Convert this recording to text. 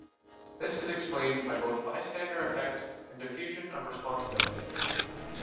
This is explained by both bystander effect and diffusion of responsibility.